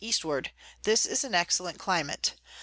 Eastward. This is an excellent Climate.